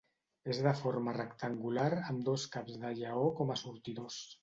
És de forma rectangular amb dos caps de lleó com a sortidors.